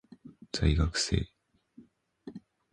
在学生